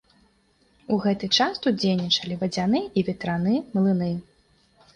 У гэты час тут дзейнічалі вадзяны і ветраны млыны.